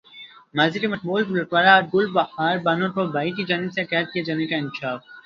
ماضی کی مقبول گلوکارہ گل بہار بانو کو بھائی کی جانب سے قید کیے جانے کا انکشاف